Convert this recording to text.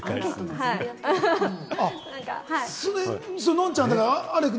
のんちゃん。